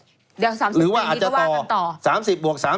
เดี๋ยว๓๐ปีนี้ก็ว่ากันต่อหรือว่าอาจจะต่อ๓๐บวก๓๐